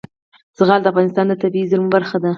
زغال د افغانستان د طبیعي زیرمو برخه ده.